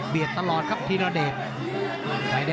เดียและเปรียบตลอด